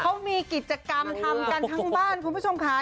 เขามีกิจกรรมทำกันทั้งบ้านคุณผู้ชมค่ะ